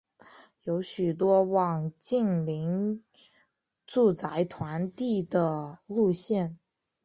有许多网近邻住宅团地的路线。